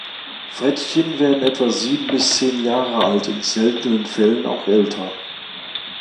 Frettchen werden etwa sieben bis zehn Jahre alt, in seltenen Fällen auch älter.